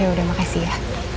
yaudah makasih ya